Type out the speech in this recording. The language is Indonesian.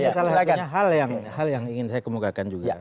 ya salah satunya hal yang ingin saya kemukakan juga